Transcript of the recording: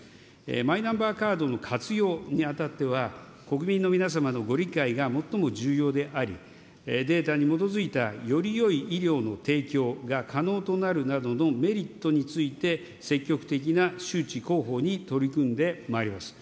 マイナンバーガードの活用にあたっては、国民の皆様のご理解が最も重要であり、データに基づいたよりよい医療の提供が可能となるなどのメリットについて、積極的な周知、広報に取り組んでまいります。